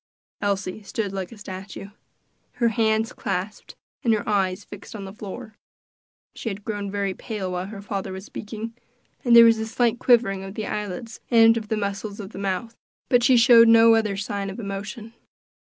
Elsie stood like a statue; her hands clasped, and her eyes fixed upon the floor. She had grown very pale while her father was speaking, and there was a slight quivering of the eyelids and of the muscles of the mouth, but she showed no other sign of emotion.